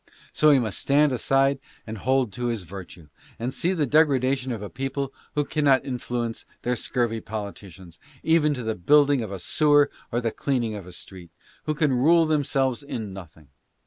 So he must stand aside and hold to his virtue, and see the degradation of a people who cannot influ ence their scurvy politicians, even to the building of a sewer or the cleaning of a street ; who can rule themselves in nothing.